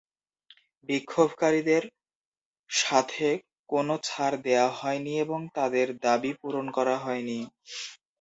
বিক্ষোভকারীদের সাথে কোন ছাড় দেয়া হয়নি এবং তাদের দাবী পূরণ করা হয়নি।